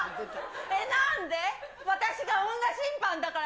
なんで、私が女審判だから？